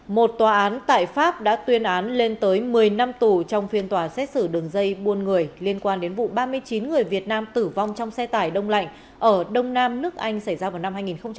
một tòa án tại pháp đã tuyên án lên tới một mươi năm tù trong phiên tòa xét xử đường dây buôn người liên quan đến vụ ba mươi chín người việt nam tử vong trong xe tải đông lạnh ở đông nam nước anh xảy ra vào năm hai nghìn một mươi